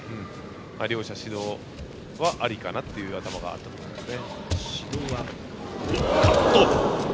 両者、指導はありかなという頭があったと思います。